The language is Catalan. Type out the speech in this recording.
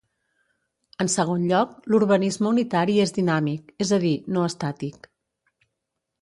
En segon lloc, l'urbanisme unitari és dinàmic, és a dir, no estàtic.